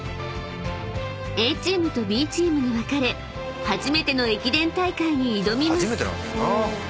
［ＡチームとＢチームに分かれ初めての駅伝大会に挑みます］